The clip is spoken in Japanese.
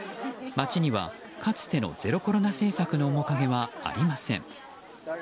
街にはかつてのゼロコロナ政策の面影はありません。